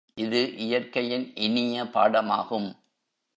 இது இயற்கையின் இனிய பாடமாகும்.